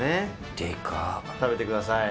食べてください。